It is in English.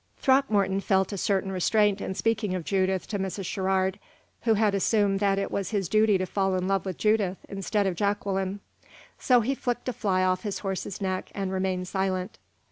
Throckmorton felt a certain restraint in speaking of Judith to Mrs. Sherrard, who had assumed that it was his duty to fall in love with Judith instead of Jacqueline. So he flicked a fly off his horse's neck and remained silent.